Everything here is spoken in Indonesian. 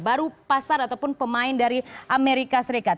baru pasar ataupun pemain dari amerika serikat